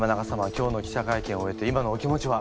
今日の記者会見を終えて今のお気持ちは？